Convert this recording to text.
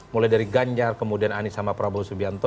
mulai dari ganjar kemudian anies sama prabowo subianto